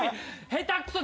下手くそ！